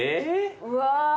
うわ。